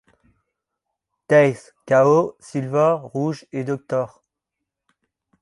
Tails, Chao, Silver, Rouge et Dr.